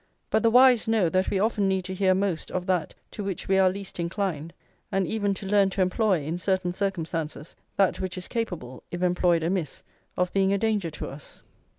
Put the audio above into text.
But the wise know that we often need to hear most of that to which we are least inclined, and even to learn to employ, in certain circumstances, that which is capable, if employed amiss, of being a danger to us.